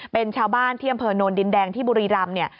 เป็นชาวบ้านที่อำเภอโนนดินแดงที่บุรีรำเนี่ย